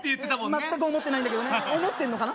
全く思ってないんだけどね思ってんのかな？